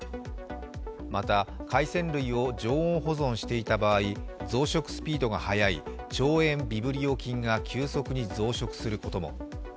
また、海鮮類を常温保存していた場合増殖スピードが速い腸炎ビブリオ菌が急速に増殖することも。